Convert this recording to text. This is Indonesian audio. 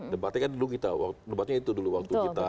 debatnya kan dulu kita debatnya itu dulu waktu kita